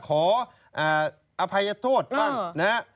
ขออภัยโทษบ้าง